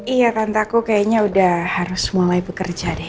iya tantaku kayaknya udah harus mulai bekerja deh